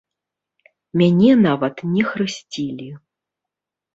Мяне нават не хрысцілі.